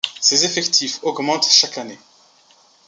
Ces effectifs augmentent chaque année.